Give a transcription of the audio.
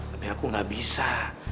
tapi aku gak bisa